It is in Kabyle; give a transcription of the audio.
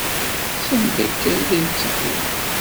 Sanda akka ay la yetteddu?